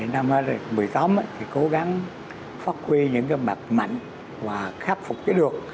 năm hai nghìn một mươi tám thì cố gắng phát huy những mặt mạnh và khắc phục chứ được